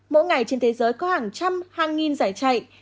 mỗi ngày trên thế giới có hàng trăm hàng nghìn giải chạy